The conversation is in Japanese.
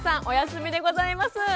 お休みでございます。